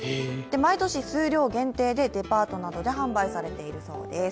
毎年、数量限定でデパートなどで販売されているそうです。